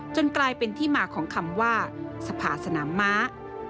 กลายเป็นที่มาของคำว่าสภาสนามม้า